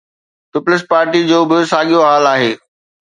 Peoples پارٽيءَ جو به ساڳيو حال آهي.